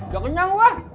gak kenyang gua